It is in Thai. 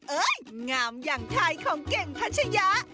งามอย่างไทยของเก่งพัชยะ